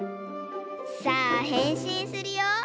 さあへんしんするよ！